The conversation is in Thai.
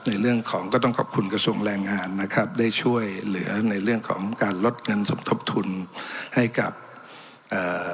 ในเรื่องของก็ต้องขอบคุณกระทรวงแรงงานนะครับได้ช่วยเหลือในเรื่องของการลดเงินสมทบทุนให้กับเอ่อ